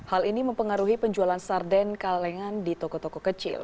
hal ini mempengaruhi penjualan sarden kalengan di toko toko kecil